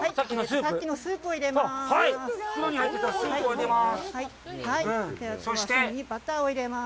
さっきのスープを入れます。